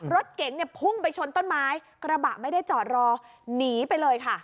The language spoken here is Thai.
รถเก๋งเนี่ยพุ่งไปชนต้นไม้กระบะไม่ได้จอดรอหนีไปเลยค่ะ